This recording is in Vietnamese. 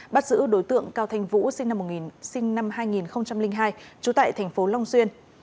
bắt giữ đối tượng cao thanh vũ sinh năm hai nghìn hai trú tại tp long xuyên